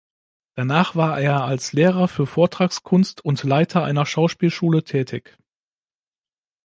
Danach war er als Lehrer für Vortragskunst und Leiter einer Schauspielschule tätig.